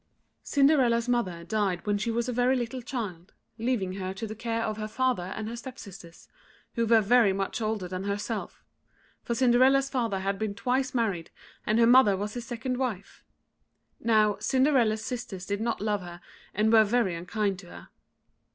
Cinderella's mother died while she was a very little child, leaving her to the care of her father and her step sisters, who were very much older than herself; for Cinderella's father had been twice married, and her mother was his second wife. Now, Cinderella's sisters did not love her, and were very unkind to her.